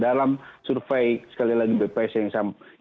dalam survei sekali lagi bpsm yang saya lakukan